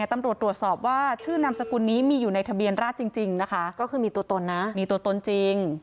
ตำรวจตรวจสอบว่าชื่อนามสกุลนี้มีอยู่ในทะเบียนราชจริงนะคะก็คือมีตัวตนนะมีตัวตนจริง